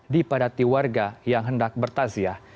di padati warga yang hendak bertaziah